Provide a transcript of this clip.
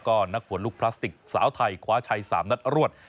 ก็นักหัวลูกพลาสติกสาวไทยคว้าชัย๓นัดรวด